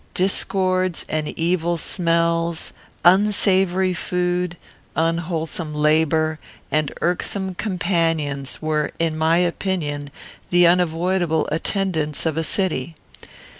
Discords and evil smells, unsavoury food, unwholesome labour, and irksome companions, were, in my opinion, the unavoidable attendants of a city.